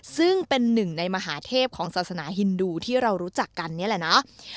ซึ่งเป็นหนึ่งในมหาเทพของศาสนาฮินดูที่เรารู้จักกันนี่แหละเนาะ